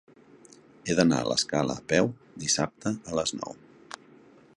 He d'anar a l'Escala a peu dissabte a les nou.